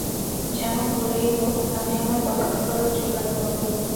যেমন করেই হোক, আমি আমার পথের খরচ যোগাড় করব।